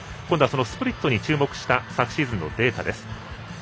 今度はスプリットに注目した昨シーズンのデータです。